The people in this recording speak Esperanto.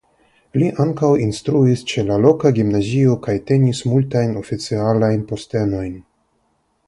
Li ankaŭ instruis ĉe la loka gimnazio kaj tenis multajn oficialajn postenojn.